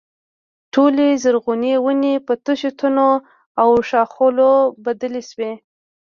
ټولې زرغونې ونې په تشو تنو او ښاخلو بدلې شوې.